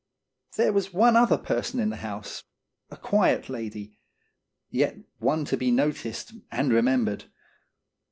There was one other person in the house, a quiet lady, yet one to be noticed and remem bered.